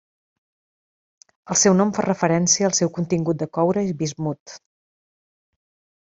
El seu nom fa referència al seu contingut de coure i bismut.